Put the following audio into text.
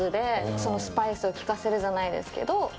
そのスパイスをきかせるじゃないですけど。